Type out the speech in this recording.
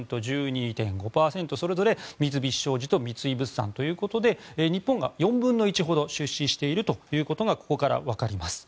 それぞれ三菱商事と三井物産ということで日本が４分の１ほど出資しているということがここからわかります。